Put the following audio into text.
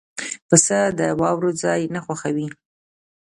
پسه د واورو ځای نه خوښوي.